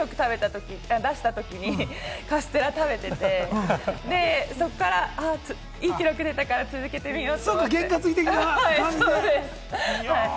最初に日本記録を出したときに、カステラを食べてて、そこからいい記録がでたから続けてみようと。